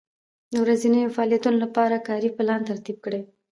د ورځنیو فعالیتونو لپاره کاري پلان ترتیب کړئ.